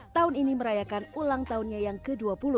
tahun ini merayakan ulang tahunnya yang ke dua puluh